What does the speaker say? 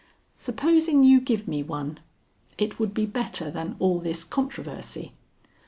Supposing you give me one. It would be better than all this controversy.